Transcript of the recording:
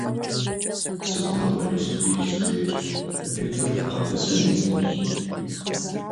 Сыт нобэрей сабийр зыхуейр? Компьютерым бгъэдэсу джэгунырщ.